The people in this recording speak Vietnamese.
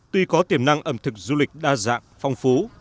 tuy có tiềm năng ẩm thực du lịch đa dạng phong phú